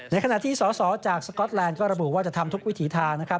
ขณะที่สอสอจากสก๊อตแลนด์ก็ระบุว่าจะทำทุกวิถีทางนะครับ